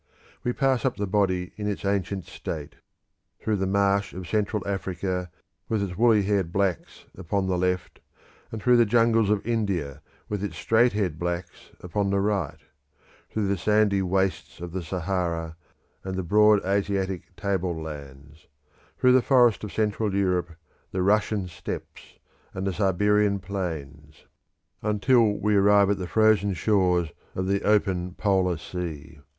We pass up the body in its ancient state; through the marsh of Central Africa, with its woolly haired blacks upon the left, and through the jungles of India, with its straight haired blacks upon the right; through the sandy wastes of the Sahara, and the broad Asiatic tablelands; through the forest of Central Europe, the Russian steppes, and the Siberian plains, until we arrive at the frozen shores of the open Polar Sea.